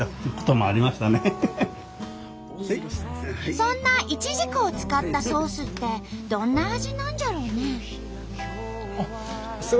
そんなイチジクを使ったソースってどんな味なんじゃろうね？